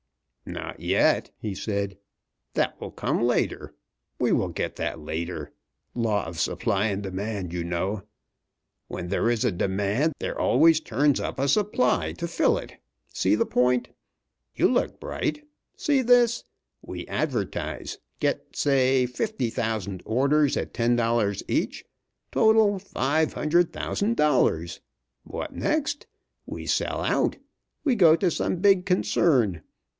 "Not yet," he said, "that will come later. We will get that later. Law of supply and demand, you know. When there is a demand, there always turns up a supply to fill it. See the point? You look bright. See this. We advertise. Get, say, fifty thousand orders at ten dollars each; total, five hundred thousand dollars. What next? We sell out. We go to some big concern.